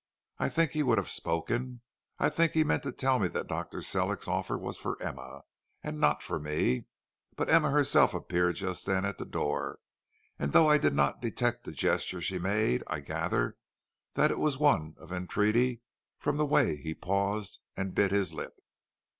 I think he would have spoken; I think he meant to tell me that Dr. Sellick's offer was for Emma, and not for me, but Emma herself appeared just then at the door, and though I did not detect the gesture she made, I gather that it was one of entreaty from the way he paused and bit his lip.